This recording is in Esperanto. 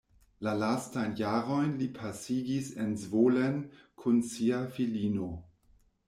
La lastajn jarojn li pasigis en Zvolen kun sia filino.